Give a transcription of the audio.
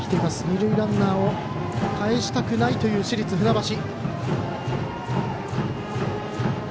二塁ランナーをかえしたくない市立船橋。